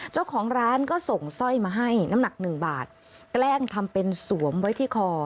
เจ้าของร้านก็ส่งสร้อยมาให้น้ำหนักหนึ่งบาทแกล้งทำเป็นสวมไว้ที่คอ